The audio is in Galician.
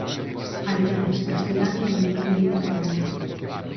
Altérnase castelán e, en menor medida, catalán.